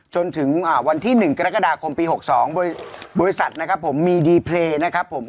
จนถึงวันที่๑กรกฎาคมปี๖๒บริษัทนะครับผมมีดีเพลย์นะครับผม